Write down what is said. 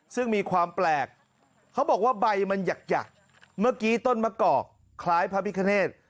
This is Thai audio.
ซึ่งมีความแปลกเขาบอกว่าใบมันหยักเมื่อกี้ต้นมะกอกคล้ายพระพิคเนธ